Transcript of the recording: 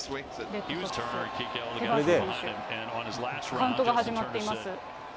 カウントが始まっています。